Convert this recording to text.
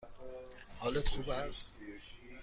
حالت خوب است؟